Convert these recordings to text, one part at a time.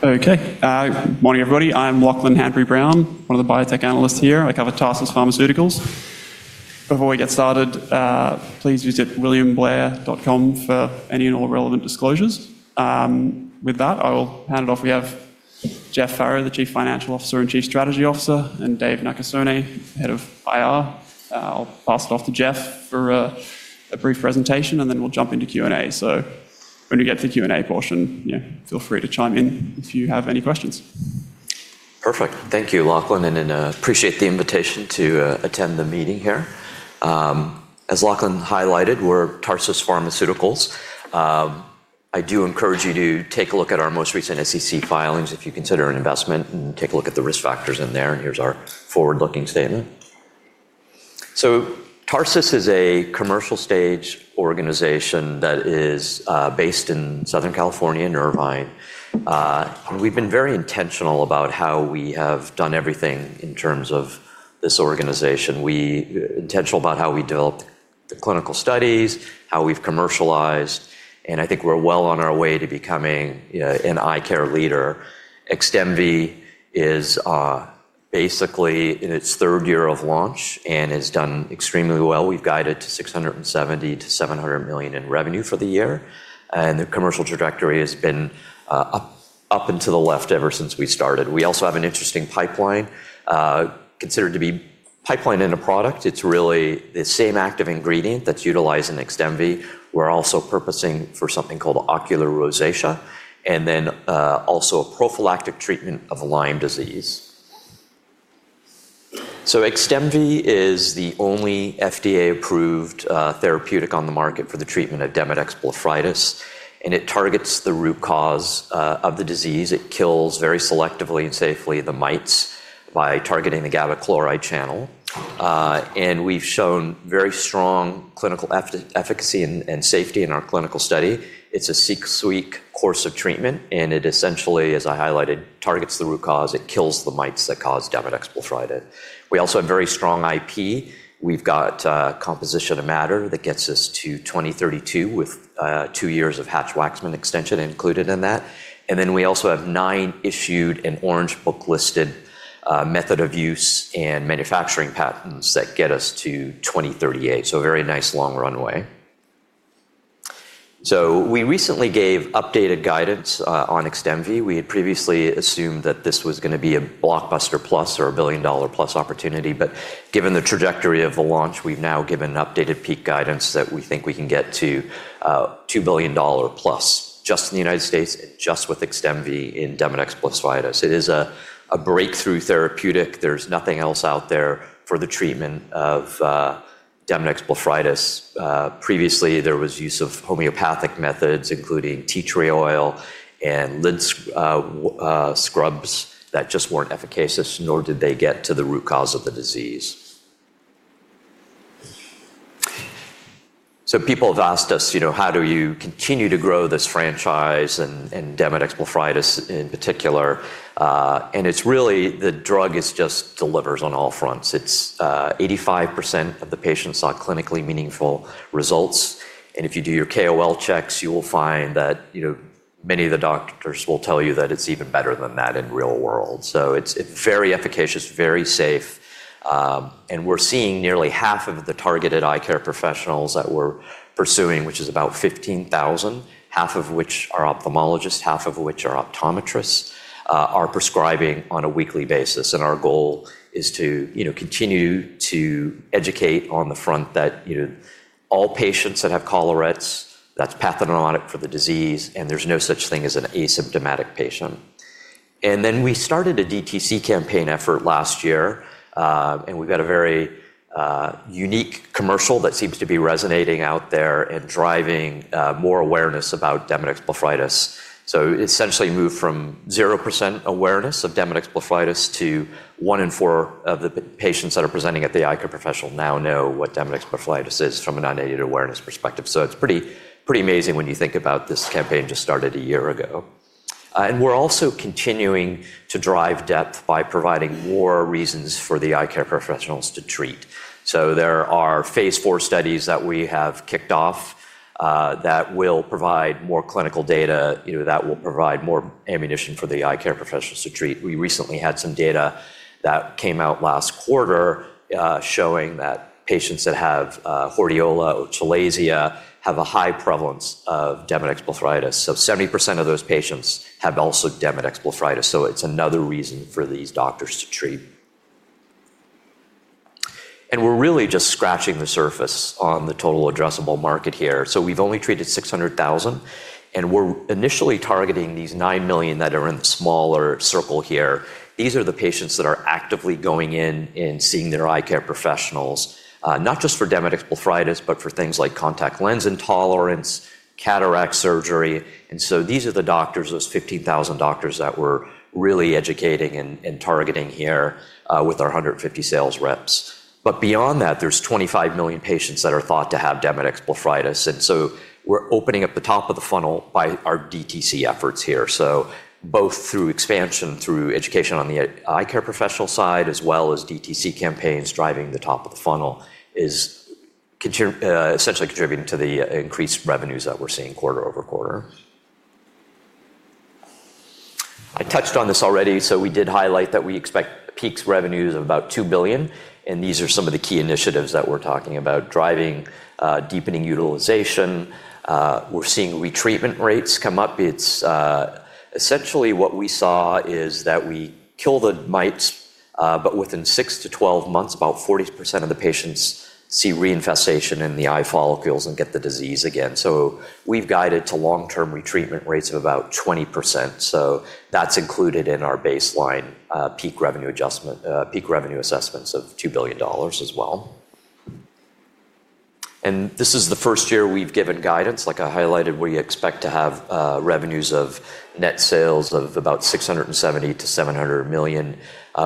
Morning, everybody. I'm Lachlan Hanbury-Brown, one of the biotech analysts here. I cover Tarsus Pharmaceuticals. Before we get started, please visit williamblair.com for any and all relevant disclosures. With that, I will hand it off. We have Jeff Farrow, the Chief Financial Officer and Chief Strategy Officer, and Dave Nakasone, Head of IR. I'll pass it off to Jeff for a brief presentation. Then we'll jump into Q&A. When we get to the Q&A portion, feel free to chime in if you have any questions. Perfect. Thank you, Lachlan. Appreciate the invitation to attend the meeting here. As Lachlan highlighted, we're Tarsus Pharmaceuticals. I do encourage you to take a look at our most recent SEC filings if you consider an investment and take a look at the risk factors in there. Here's our forward-looking statement. Tarsus is a commercial stage organization that is based in Southern California, in Irvine. We've been very intentional about how we have done everything in terms of this organization. We're intentional about how we developed the clinical studies, how we've commercialized, and I think we're well on our way to becoming an eye care leader. XDEMVY is basically in its third year of launch and has done extremely well. We've guided to $670 million-$700 million in revenue for the year, the commercial trajectory has been up and to the left ever since we started. We also have an interesting pipeline, considered to be pipeline in a product. It's really the same active ingredient that's utilized in XDEMVY. We're also purposing for something called ocular rosacea, then also a prophylactic treatment of Lyme disease. XDEMVY is the only FDA-approved therapeutic on the market for the treatment of Demodex blepharitis, it targets the root cause of the disease. It kills very selectively and safely the mites by targeting the GABA-gated chloride channel. We've shown very strong clinical efficacy and safety in our clinical study. It's a six-week course of treatment, it essentially, as I highlighted, targets the root cause. It kills the mites that cause Demodex blepharitis. We also have very strong IP. We've got composition of matter that gets us to 2032 with two years of Hatch-Waxman extension included in that. We also have nine issued and Orange Book-listed method of use and manufacturing patents that get us to 2038. A very nice long runway. We recently gave updated guidance on XDEMVY. We had previously assumed that this was going to be a blockbuster plus or a billion-dollar-plus opportunity. Given the trajectory of the launch, we've now given an updated peak guidance that we think we can get to $2+ billion just in the U.S., just with XDEMVY in Demodex blepharitis. It is a breakthrough therapeutic. There's nothing else out there for the treatment of Demodex blepharitis. Previously, there was use of homeopathic methods, including tea tree oil and lid scrubs that just weren't efficacious, nor did they get to the root cause of the disease. People have asked us, how do you continue to grow this franchise and Demodex blepharitis in particular? It's really the drug just delivers on all fronts. 85% of the patients saw clinically meaningful results. If you do your KOL checks, you will find that many of the doctors will tell you that it's even better than that in real world. It's very efficacious, very safe. We're seeing nearly half of the targeted eye care professionals that we're pursuing, which is about 15,000, half of which are ophthalmologists, half of which are optometrists, are prescribing on a weekly basis. Our goal is to continue to educate on the front that all patients that have chalazions, that's pathognomonic for the disease, and there's no such thing as an asymptomatic patient. We started a DTC campaign effort last year, and we've got a very unique commercial that seems to be resonating out there and driving more awareness about Demodex blepharitis. Essentially moved from 0% awareness of Demodex blepharitis to one in four of the patients that are presenting at the eye care professional now know what Demodex blepharitis is from an unaided awareness perspective. It's pretty amazing when you think about this campaign just started a year ago. We're also continuing to drive depth by providing more reasons for the eye care professionals to treat. There are phase IV studies that we have kicked off that will provide more clinical data, that will provide more ammunition for the eye care professionals to treat. We recently had some data that came out last quarter showing that patients that have hordeola or chalazia have a high prevalence of Demodex blepharitis. 70% of those patients have also Demodex blepharitis, it's another reason for these doctors to treat. We're really just scratching the surface on the total addressable market here. We've only treated 600,000, and we're initially targeting these 9 million that are in the smaller circle here. These are the patients that are actively going in and seeing their eye care professionals, not just for Demodex blepharitis, but for things like contact lens intolerance, cataract surgery. These are the doctors, those 15,000 doctors that we're really educating and targeting here with our 150 sales reps. Beyond that, there's 25 million patients that are thought to have Demodex blepharitis, we're opening up the top of the funnel by our DTC efforts here. Both through expansion, through education on the eye care professional side, as well as DTC campaigns driving the top of the funnel is essentially contributing to the increased revenues that we're seeing quarter-over-quarter. I touched on this already, we did highlight that we expect peak revenues of about $2 billion, and these are some of the key initiatives that we're talking about. Driving, deepening utilization. We're seeing retreatment rates come up. Essentially what we saw is that we kill the mites, within 6-12 months, about 40% of the patients see reinfestation in the eye follicles and get the disease again. We've guided to long-term retreatment rates of about 20%, so that's included in our baseline peak revenue assessments of $2 billion as well. This is the first year we've given guidance. Like I highlighted, we expect to have revenues of net sales of about $670 million-$700 million.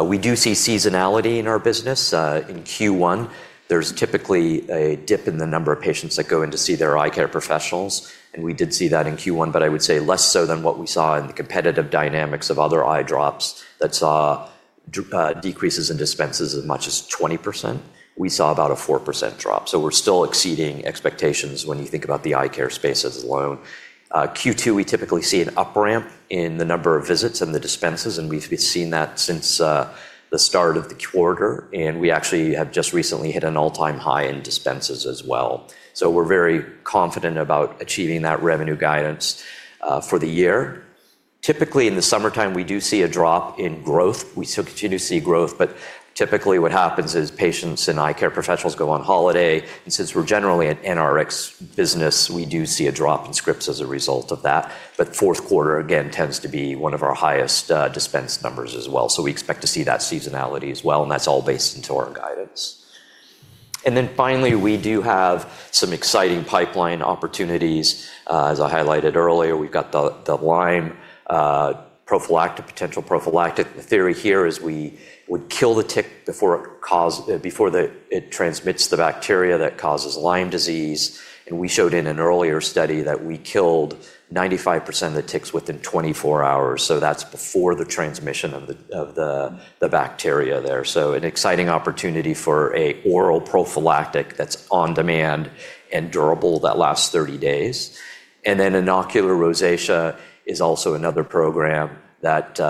We do see seasonality in our business. In Q1, there's typically a dip in the number of patients that go in to see their eye care professionals, and we did see that in Q1, but I would say less so than what we saw in the competitive dynamics of other eye drops that saw decreases in dispenses as much as 20%. We saw about a 4% drop. We're still exceeding expectations when you think about the eye care spaces alone. Q2, we typically see an up-ramp in the number of visits and the dispenses. We've been seeing that since the start of the quarter. We actually have just recently hit an all-time high in dispenses as well. We're very confident about achieving that revenue guidance for the year. Typically, in the summertime, we do see a drop in growth. We still continue to see growth. Typically what happens is patients and eye care professionals go on holiday. Since we're generally an NRx business, we do see a drop in scripts as a result of that. Fourth quarter, again, tends to be one of our highest dispense numbers as well. We expect to see that seasonality as well. That's all based into our guidance. Finally, we do have some exciting pipeline opportunities. As I highlighted earlier, we've got the Lyme prophylactic, potential prophylactic. The theory here is we would kill the tick before it transmits the bacteria that causes Lyme disease. We showed in an earlier study that we killed 95% of the ticks within 24 hours. That's before the transmission of the bacteria there. An exciting opportunity for a oral prophylactic that's on demand and durable that lasts 30 days. Ocular rosacea is also another program that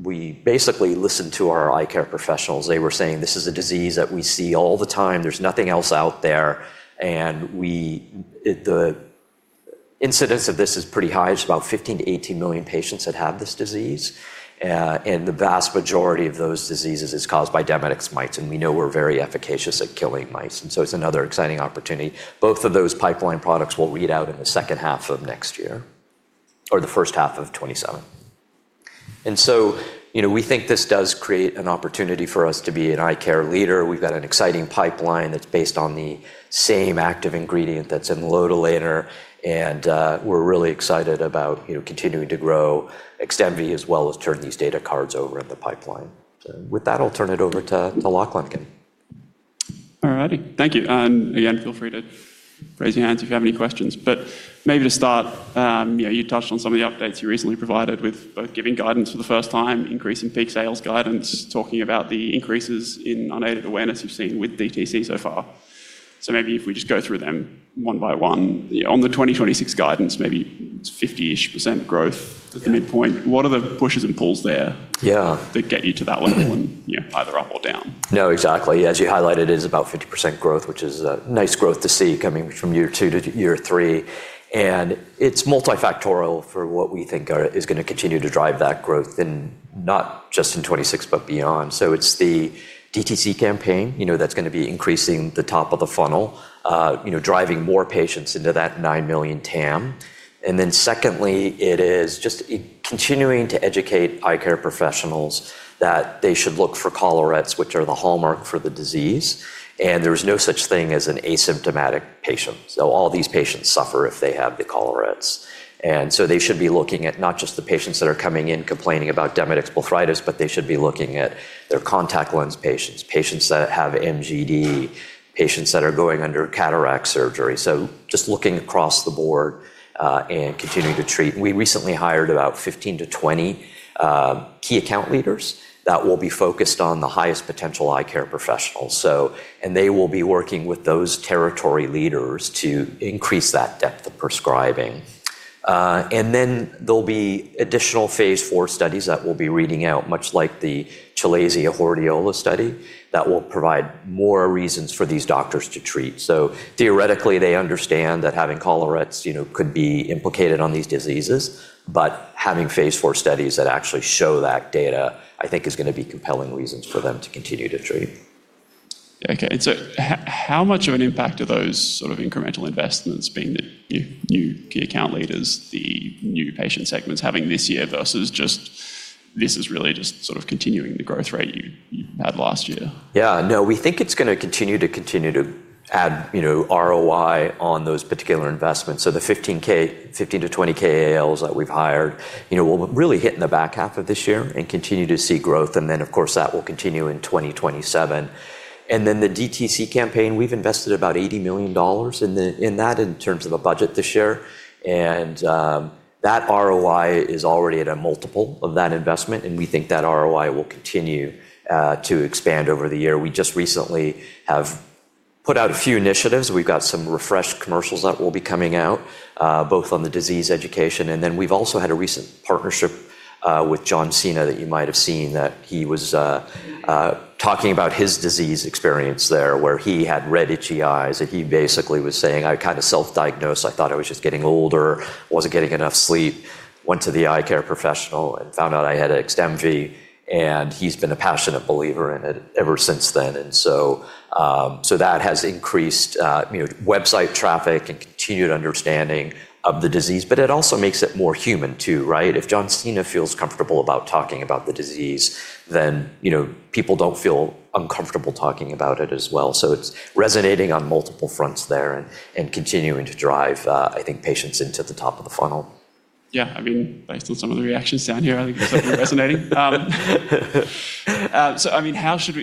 we basically listened to our eye care professionals. They were saying, This is a disease that we see all the time. There's nothing else out there. The incidence of this is pretty high. It's about 15 million-18 million patients that have this disease. The vast majority of those diseases is caused by Demodex mites, and we know we're very efficacious at killing mites, and so it's another exciting opportunity. Both of those pipeline products will read out in the second half of 2024 or the first half of 2027. We think this does create an opportunity for us to be an eye care leader. We've got an exciting pipeline that's based on the same active ingredient that's in lotilaner, and we're really excited about continuing to grow XDEMVY as well as turn these data cards over in the pipeline. With that, I'll turn it over to Lachlan again. All righty. Thank you. Again, feel free to raise your hands if you have any questions. Maybe to start, you touched on some of the updates you recently provided with both giving guidance for the first time, increasing peak sales guidance, talking about the increases in unaided awareness we've seen with DTC so far. Maybe if we just go through them one by one. On the 2026 guidance, maybe it's 50%ish growth- Yeah at the midpoint. What are the pushes and pulls there? Yeah that get you to that level and either up or down? No, exactly. As you highlighted, it is about 50% growth, which is a nice growth to see coming from year two to year three, and it is multifactorial for what we think is going to continue to drive that growth, and not just in 2026, but beyond. It is the DTC campaign that is going to be increasing the top of the funnel, driving more patients into that nine million TAM. Secondly, it is just continuing to educate eye care professionals that they should look for collarettes, which are the hallmark for the disease, and there is no such thing as an asymptomatic patient. All these patients suffer if they have the collarettes. They should be looking at not just the patients that are coming in complaining about Demodex blepharitis, but they should be looking at their contact lens patients that have MGD, patients that are going under cataract surgery. Just looking across the board and continuing to treat. We recently hired about 15-20 key account leaders that will be focused on the highest potential eye care professionals. They will be working with those territory leaders to increase that depth of prescribing. There will be additional phase IV studies that we will be reading out, much like the chalazia/hordeola study, that will provide more reasons for these doctors to treat. Theoretically, they understand that having collarettes could be implicated on these diseases, but having phase IV studies that actually show that data, I think, is going to be compelling reasons for them to continue to treat. Okay. How much of an impact are those sort of incremental investments, being the new key account leaders, the new patient segments having this year versus just this is really just sort of continuing the growth rate you had last year? Yeah. No, we think it's going to continue to add ROI on those particular investments. The 15-20 KALs that we've hired will really hit in the back half of this year and continue to see growth, and then of course, that will continue in 2027. The DTC campaign, we've invested about $80 million in that in terms of a budget this year. That ROI is already at a multiple of that investment, and we think that ROI will continue to expand over the year. We just recently have put out a few initiatives. We've got some refreshed commercials that will be coming out, both on the disease education, and then we've also had a recent partnership with John Cena that you might have seen, that he was talking about his disease experience there, where he had red, itchy eyes, and he basically was saying, I kind of self-diagnosed. I thought I was just getting older, wasn't getting enough sleep. Went to the eye care professional and found out I had XDEMVY. He's been a passionate believer in it ever since then. That has increased website traffic and continued understanding of the disease. It also makes it more human too, right? If John Cena feels comfortable about talking about the disease, then people don't feel uncomfortable talking about it as well. It's resonating on multiple fronts there and continuing to drive, I think, patients into the top of the funnel. Yeah. Based on some of the reactions down here, I think it's definitely resonating.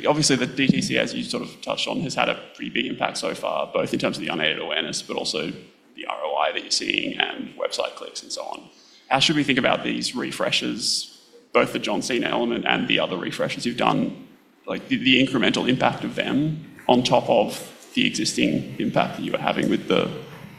Obviously the DTC, as you sort of touched on, has had a pretty big impact so far, both in terms of the unaided awareness, but also the ROI that you're seeing and website clicks and so on. How should we think about these refreshes, both the John Cena element and the other refreshes you've done, like the incremental impact of them on top of the existing impact that you were having with the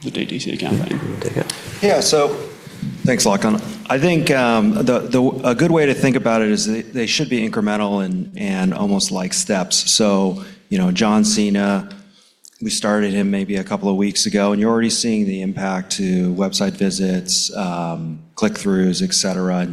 DTC campaign? Take it. Thanks, Lachlan. I think a good way to think about it is they should be incremental and almost like steps. John Cena, we started him maybe a couple of weeks ago, and you're already seeing the impact to website visits, click-throughs, et cetera.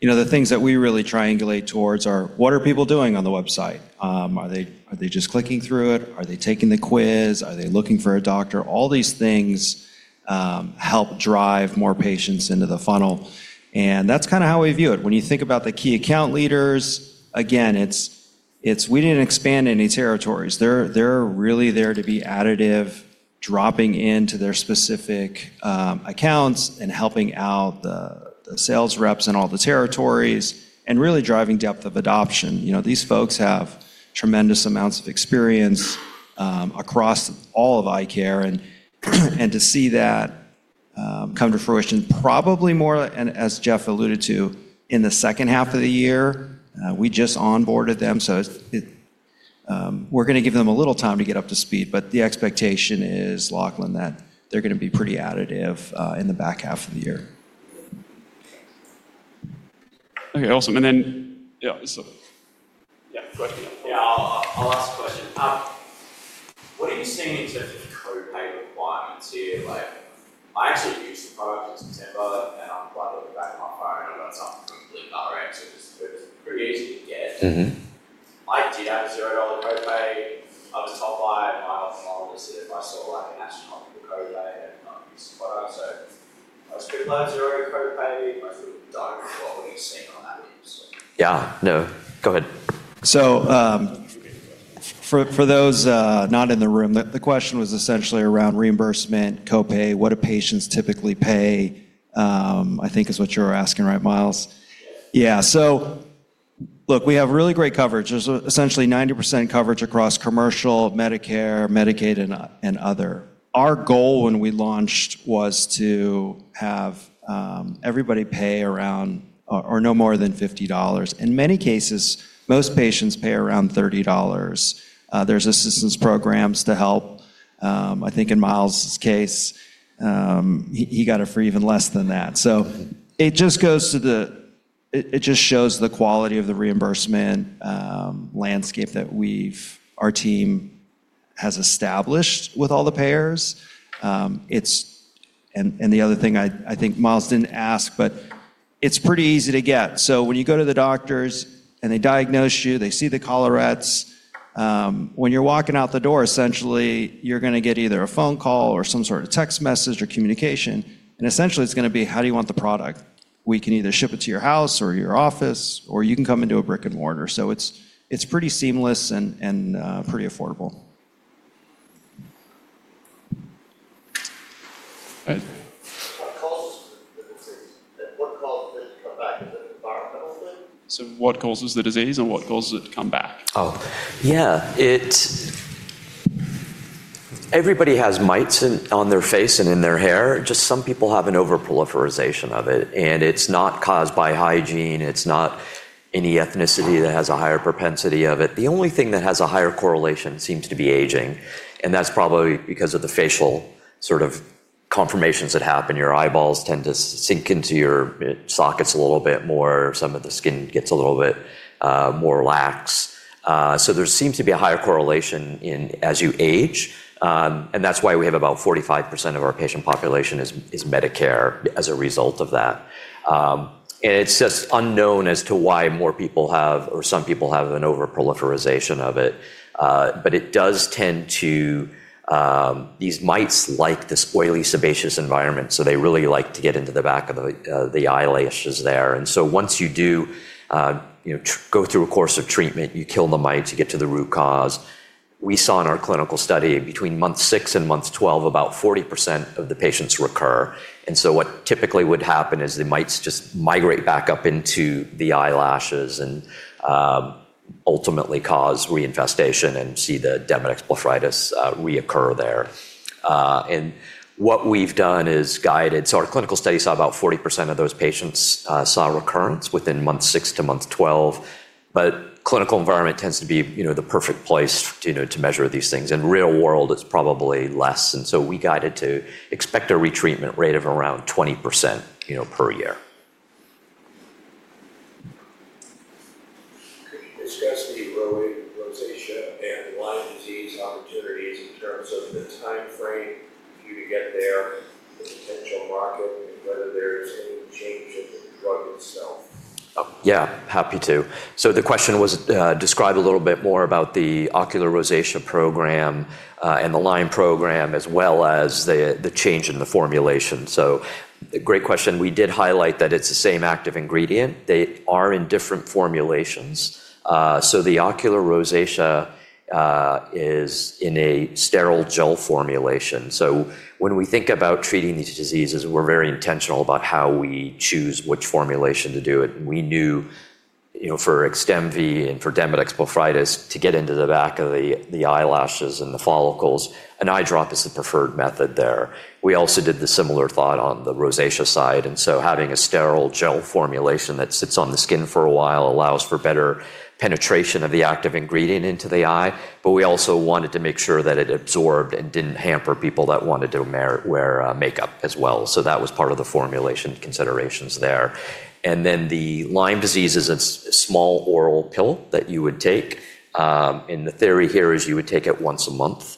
The things that we really triangulate towards are what are people doing on the website? Are they just clicking through it? Are they taking the quiz? Are they looking for a doctor? All these things help drive more patients into the funnel, and that's kind of how we view it. When you think about the key account leaders, again, we didn't expand any territories. They're really there to be additive, dropping into their specific accounts and helping out the sales reps in all the territories and really driving depth of adoption. These folks have tremendous amounts of experience across all of eye care, and to see that come to fruition, probably more, and as Jeff alluded to, in the second half of the year. We just onboarded them, so we're going to give them a little time to get up to speed. The expectation is, Lachlan, that they're going to be pretty additive in the back half of the year. Okay, awesome. Yeah. Yeah. Question. Yeah, I'll ask the question. What are you seeing in terms of co-pay requirements here? I actually used the product in September, and I'm quite lucky back at my primary. I got something from Blue Cross, so it was pretty easy to get. I did have a $0 copay. I was told by my ophthalmologist if I saw an astronomical copay, I wouldn't use the product. I was pretty glad $0 copay. I think done. What were you seeing on that use? Yeah, no, go ahead. So- You forget the question. For those not in the room, the question was essentially around reimbursement, copay. What do patients typically pay, I think is what you were asking, right, Miles? Yes. Look, we have really great coverage. There's essentially 90% coverage across commercial, Medicare, Medicaid, and other. Our goal when we launched was to have everybody pay around or no more than $50. In many cases, most patients pay around $30. There's assistance programs to help. I think in Miles's case, he got it for even less than that. It just shows the quality of the reimbursement landscape that our team has established with all the payers. The other thing, I think Miles didn't ask, but it's pretty easy to get. When you go to the doctors and they diagnose you, they see the collarettes. When you're walking out the door, essentially, you're going to get either a phone call or some sort of text message or communication, and essentially it's going to be, How do you want the product? We can either ship it to your house or your office, or you can come into a brick-and-mortar. It's pretty seamless and pretty affordable. Right. What causes the disease, and what causes it to come back? Is it an environmental thing? What causes the disease, and what causes it to come back? Oh, yeah. Everybody has mites on their face and in their hair, just some people have an over-proliferation of it, and it's not caused by hygiene. It's not any ethnicity that has a higher propensity of it. The only thing that has a higher correlation seems to be aging, and that's probably because of the facial sort of conformations that happen. Your eyeballs tend to sink into your sockets a little bit more. Some of the skin gets a little bit more lax. There seems to be a higher correlation as you age. That's why we have about 45% of our patient population is Medicare as a result of that. It's just unknown as to why more people have, or some people have an over-proliferation of it. These mites like this oily, sebaceous environment, so they really like to get into the back of the eyelashes there. Once you do go through a course of treatment, you kill the mites, you get to the root cause. We saw in our clinical study between month six and month 12, about 40% of the patients recur. What typically would happen is the mites just migrate back up into the eyelashes and ultimately cause reinfestation and see the Demodex blepharitis reoccur there. Our clinical study saw about 40% of those patients saw recurrence within month six to month 12. Clinical environment tends to be the perfect place to measure these things. In real world, it's probably less. We guided to expect a retreatment rate of around 20% per year. Could you discuss the rosacea and Lyme disease opportunities in terms of the timeframe for you to get there, the potential market, and whether there's any change of the drug itself? Yeah, happy to. The question was, describe a little bit more about the ocular rosacea program and the Lyme program, as well as the change in the formulation. Great question. We did highlight that it's the same active ingredient. They are in different formulations. The ocular rosacea is in a sterile gel formulation. When we think about treating these diseases, we're very intentional about how we choose which formulation to do it. We knew for XDEMVY and for Demodex blepharitis, to get into the back of the eyelashes and the follicles, an eye drop is the preferred method there. We also did the similar thought on the rosacea side, having a sterile gel formulation that sits on the skin for a while allows for better penetration of the active ingredient into the eye. We also wanted to make sure that it absorbed and didn't hamper people that wanted to wear makeup as well. That was part of the formulation considerations there. The Lyme disease is a small oral pill that you would take, and the theory here is you would take it once a month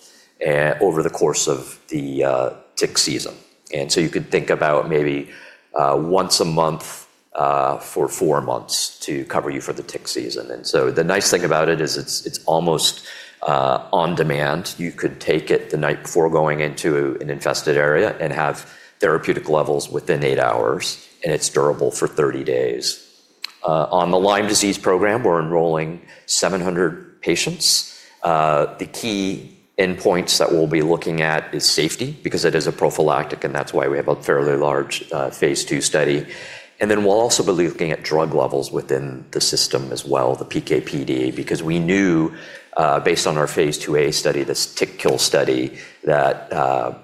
over the course of the tick season. You could think about maybe once a month for four months to cover you for the tick season. The nice thing about it is it's almost on demand. You could take it the night before going into an infested area and have therapeutic levels within eight hours, and it's durable for 30 days. On the Lyme disease program, we're enrolling 700 patients. The key endpoints that we'll be looking at is safety, because it is a prophylactic. That's why we have a fairly large phase II study. Then we'll also be looking at drug levels within the system as well, the PK/PD, because we knew, based on our phase II-A study, this tick kill study, that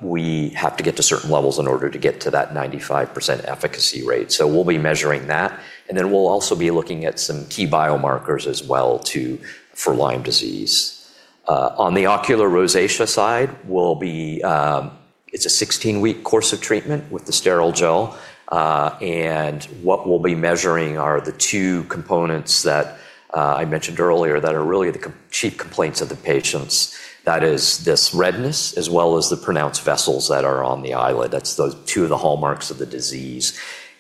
we have to get to certain levels in order to get to that 95% efficacy rate. We'll be measuring that, and then we'll also be looking at some key biomarkers as well for Lyme disease. On the ocular rosacea side, it's a 16-week course of treatment with the sterile gel. What we'll be measuring are the two components that I mentioned earlier that are really the chief complaints of the patients. That is this redness as well as the pronounced vessels that are on the eyelid. That's two of the hallmarks of the disease.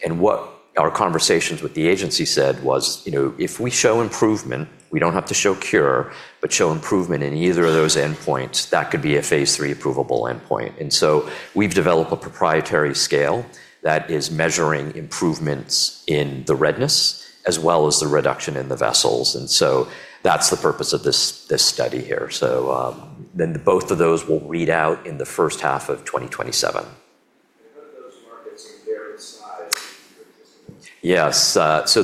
What our conversations with the agency said was, if we show improvement, we don't have to show cure, but show improvement in either of those endpoints, that could be a phase III approvable endpoint. We've developed a proprietary scale that is measuring improvements in the redness as well as the reduction in the vessels. That's the purpose of this study here. Both of those will read out in the first half of 2027. What are those markets in their size in participants? Yes.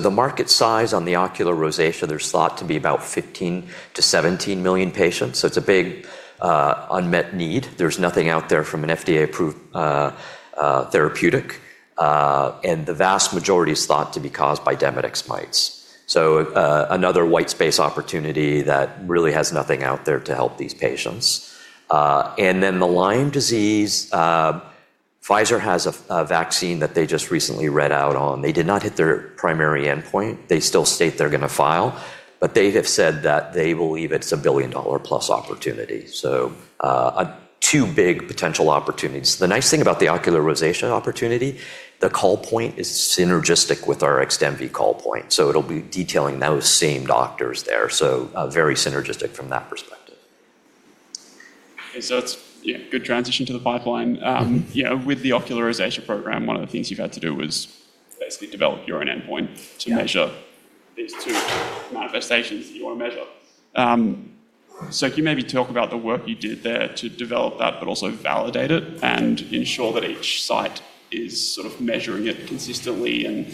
The market size on the ocular rosacea, there's thought to be about 15 million-17 million patients, it's a big unmet need. There's nothing out there from an FDA-approved therapeutic, the vast majority is thought to be caused by Demodex mites. Another white space opportunity that really has nothing out there to help these patients. The Lyme disease, Pfizer has a vaccine that they just recently read out on. They did not hit their primary endpoint. They still state they're going to file, they have said that they believe it's a billion-dollar-plus opportunity. Two big potential opportunities. The nice thing about the ocular rosacea opportunity, the call point is synergistic with our XDEMVY call point, it'll be detailing those same doctors there. Very synergistic from that perspective. Okay. That's a good transition to the pipeline. With the ocular rosacea program, one of the things you've had to do was basically develop your own endpoint to measure these two manifestations that you want to measure. Can you maybe talk about the work you did there to develop that but also validate it and ensure that each site is sort of measuring it consistently and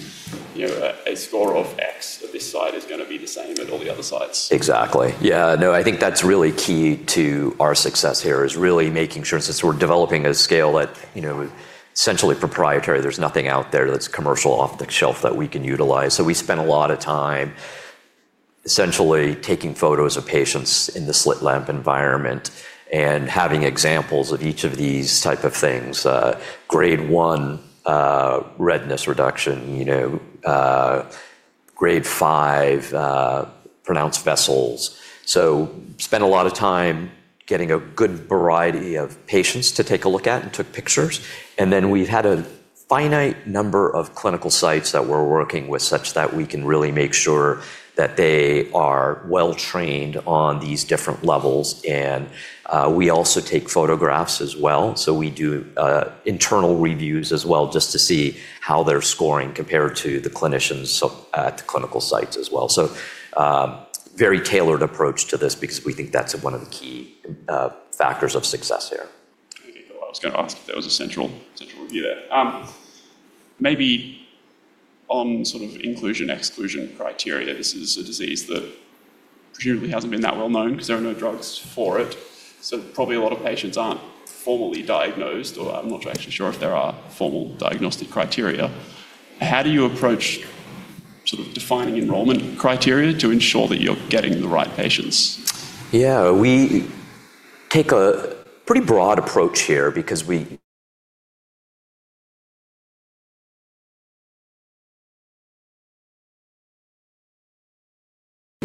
a score of X at this site is going to be the same at all the other sites? Exactly. Yeah, no, I think that's really key to our success here, is really making sure since we're developing a scale that's essentially proprietary, there's nothing out there that's commercial off-the-shelf that we can utilize. We spent a lot of time essentially taking photos of patients in the slit lamp environment and having examples of each of these type of things, Grade 1 redness reduction, Grade 5 pronounced vessels. Spent a lot of time getting a good variety of patients to take a look at and took pictures. We've had a finite number of clinical sites that we're working with such that we can really make sure that they are well-trained on these different levels, and we also take photographs as well. We do internal reviews as well just to see how they're scoring compared to the clinicians at the clinical sites as well. Very tailored approach to this because we think that's one of the key factors of success here. I think I was going to ask if there was a central review there. Maybe on sort of inclusion/exclusion criteria, this is a disease that presumably hasn't been that well-known because there are no drugs for it, so probably a lot of patients aren't formally diagnosed, or I'm not actually sure if there are formal diagnostic criteria. How do you approach defining enrollment criteria to ensure that you're getting the right patients? Yeah.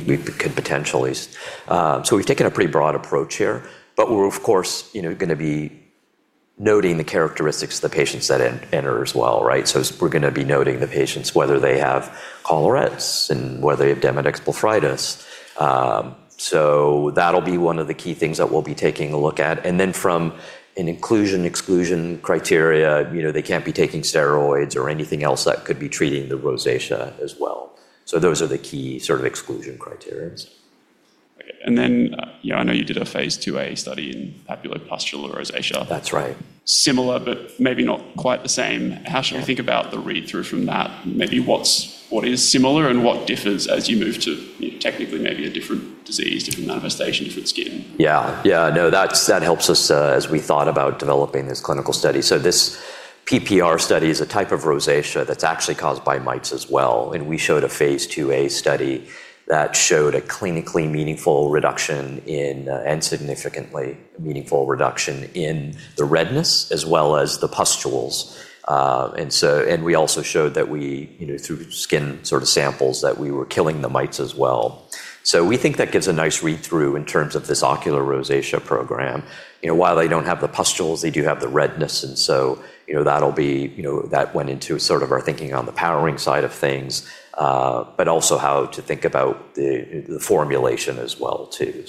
We've taken a pretty broad approach here, but we're of course going to be noting the characteristics of the patients that enter as well. We're going to be noting the patients, whether they have collarettes and whether they have Demodex blepharitis. That'll be one of the key things that we'll be taking a look at. From an inclusion/exclusion criteria, they can't be taking steroids or anything else that could be treating the rosacea as well. Those are the key exclusion criteria. Okay. I know you did a phase II-A study in papulopustular rosacea. That's right. Similar, maybe not quite the same. Yeah. How should we think about the read-through from that? Maybe what is similar and what differs as you move to technically maybe a different disease, different manifestation for the skin? No, that helps us as we thought about developing this clinical study. This PPR study is a type of rosacea that's actually caused by mites as well, and we showed a phase II-A study that showed a clinically meaningful reduction and significantly meaningful reduction in the redness as well as the pustules. We also showed that through skin samples, that we were killing the mites as well. We think that gives a nice read-through in terms of this ocular rosacea program. While they don't have the pustules, they do have the redness, that went into our thinking on the powering side of things, also how to think about the formulation as well, too.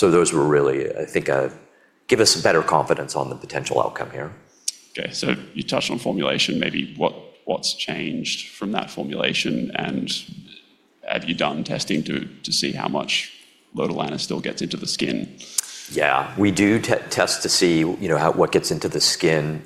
Those give us better confidence on the potential outcome here. Okay. You touched on formulation. Maybe what's changed from that formulation, and have you done testing to see how much lotilaner still gets into the skin? We do test to see what gets into the skin.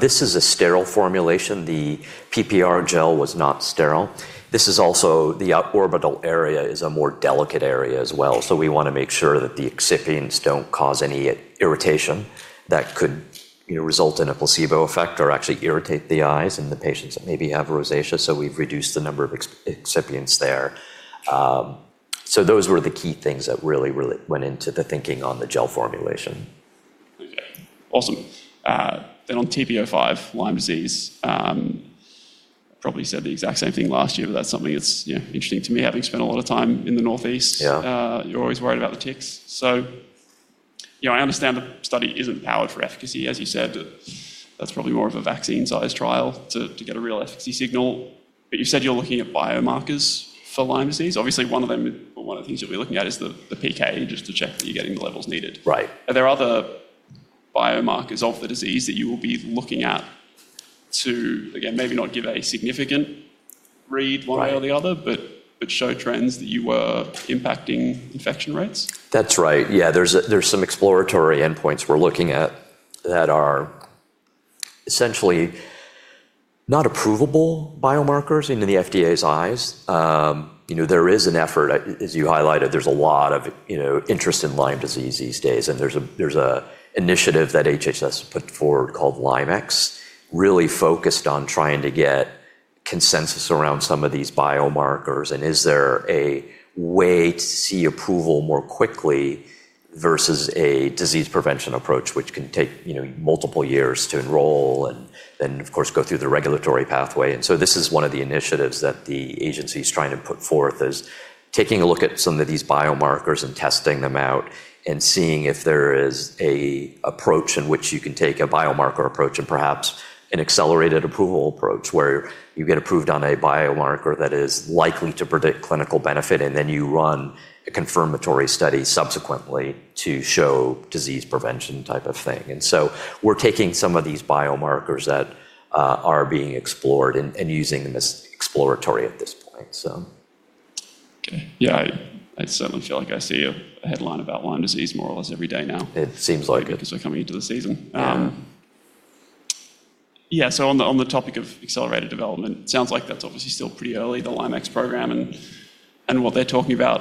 This is a sterile formulation. The PPR gel was not sterile. This is also, the orbital area is a more delicate area as well, so we want to make sure that the excipients don't cause any irritation that could result in a placebo effect or actually irritate the eyes in the patients that maybe have rosacea. We've reduced the number of excipients there. Those were the key things that really went into the thinking on the gel formulation. Okay. Awesome. On TP-05, Lyme disease, probably said the exact same thing last year, but that's something that's interesting to me, having spent a lot of time in the Northeast. Yeah. You're always worried about the ticks. I understand the study isn't powered for efficacy, as you said. That's probably more of a vaccine-sized trial to get a real efficacy signal. You said you're looking at biomarkers for Lyme disease. Obviously, one of the things you'll be looking at is the PK, just to check that you're getting the levels needed. Right. Are there other biomarkers of the disease that you will be looking at to, again, maybe not give a significant read one way or the other? Right Show trends that you were impacting infection rates? That's right. Yeah. There's some exploratory endpoints we're looking at that are essentially not approvable biomarkers in the FDA's eyes. There is an effort, as you highlighted, there's a lot of interest in Lyme disease these days, and there's an initiative that HHS put forward called LymeX, really focused on trying to get consensus around some of these biomarkers and is there a way to see approval more quickly versus a disease prevention approach, which can take multiple years to enroll and then, of course, go through the regulatory pathway. This is one of the initiatives that the agency's trying to put forth, is taking a look at some of these biomarkers and testing them out and seeing if there is an approach in which you can take a biomarker approach or perhaps an accelerated approval approach where you get approved on a biomarker that is likely to predict clinical benefit, and then you run a confirmatory study subsequently to show disease prevention type of thing. We're taking some of these biomarkers that are being explored and using them as exploratory at this point. Okay. Yeah. I certainly feel like I see a headline about Lyme disease more or less every day now. It seems like it. We're coming into the season. Yeah. Yeah. On the topic of accelerated development, sounds like that's obviously still pretty early, the LymeX program and what they're talking about.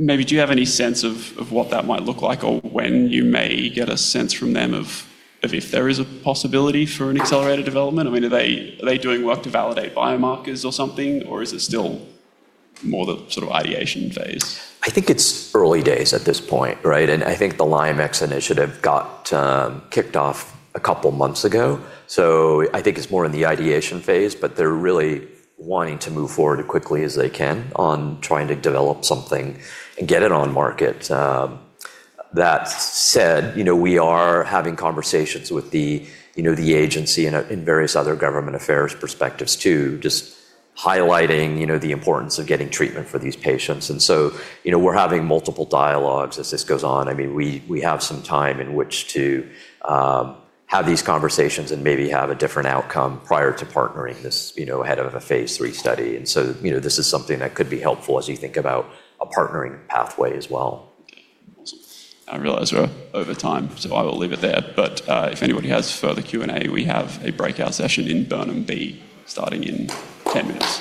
Maybe do you have any sense of what that might look like or when you may get a sense from them of if there is a possibility for an accelerated development? Are they doing work to validate biomarkers or something, or is it still more the ideation phase? I think it's early days at this point. I think the LymeX initiative got kicked off a couple months ago, I think it's more in the ideation phase, they're really wanting to move forward as quickly as they can on trying to develop something and get it on market. That said, we are having conversations with the agency and various other government affairs perspectives, too, just highlighting the importance of getting treatment for these patients. We're having multiple dialogues as this goes on. We have some time in which to have these conversations and maybe have a different outcome prior to partnering this ahead of a phase III study. This is something that could be helpful as you think about a partnering pathway as well. Awesome. I realize we're over time, so I will leave it there. If anybody has further Q&A, we have a breakout session in Burnham B starting in 10 minutes.